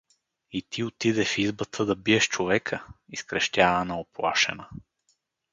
— И ти отиде в избата да биеш човека? — изкрещя Ана уплашена.